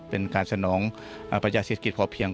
เป็นการสนองประเยศศิษย์ภพเพียง